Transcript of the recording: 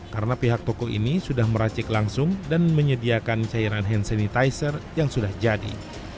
karena pihak toko ini sudah meracik langsung dan menyediakan cairan hand sanitizer yang sudah jadi